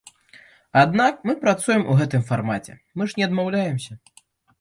Аднак мы працуем у гэтым фармаце, мы ж не адмаўляемся.